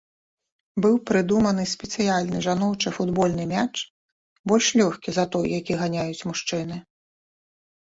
Быў прыдуманы спецыяльны жаночы футбольны мяч, больш лёгкі за той, які ганяюць мужчыны.